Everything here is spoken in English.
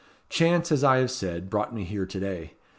Chance, as I have said, brought me here to day.